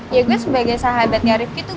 ya gue sebagai sahabatnya rivki tuh